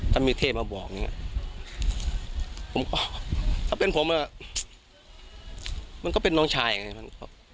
ถ้ามีเทพมาบอกอย่างเงี้ยผมก็ถ้าเป็นผมอะมันก็เป็นน้องชายอย่างเงี้ย